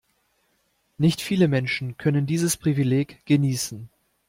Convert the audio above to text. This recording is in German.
Nicht viele Menschen können dieses Privileg genießen.